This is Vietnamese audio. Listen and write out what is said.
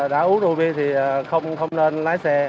đã uống rượu bia thì không nên lái xe